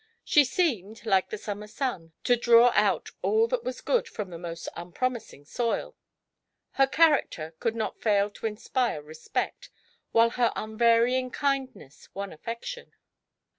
She seemed, like the summer sun, to draw out all that was good from the most unpromising soil. Her character could not fail to inspire respect, while her unvar^dng kindness won affection.